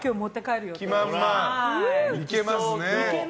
いけますね。